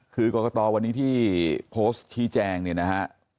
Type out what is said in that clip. คือกรกตวันนี้ที่โพสต์ชี้แจงเนี่ยนะฮะ